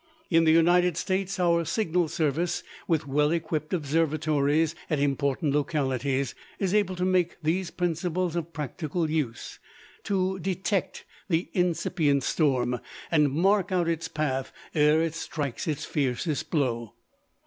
In the United States, our Signal Service, with well equipped observatories at important localities, is able to make these principles of practical use: to detect the incipient storm and mark out its path, ere it strikes its fiercest blow.